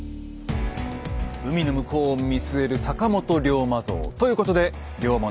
海の向こうを見据える坂本龍馬像。ということで龍馬のふるさと